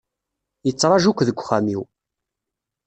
Yettraju-k deg uxxam-iw.